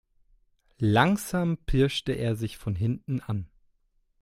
Langsam pirschte er sich von hinten an.